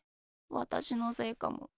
私のせいかも。